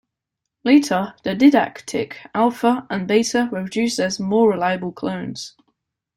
Later, the Didaktik Alfa and Beta were produced as more reliable clones.